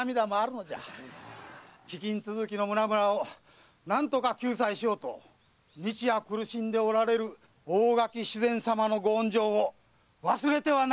飢饉続きの村々を何とか救済しようと日夜苦しんでおられる大垣主膳様のご温情を忘れてはなりませぬぞ！